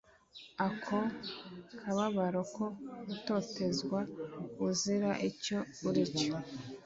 ako kababaro ko gutotezwa uzira icyo uricyo